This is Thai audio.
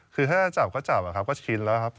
คือถ้าจับก็จับอะครับก็ชินแล้วครับ